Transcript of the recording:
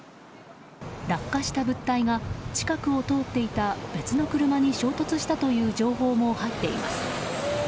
落下した物体が近くを通っていた別の車に衝突したという情報も入っています。